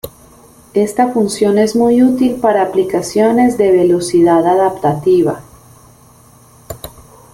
Esta función es muy útil para aplicaciones de velocidad adaptativa.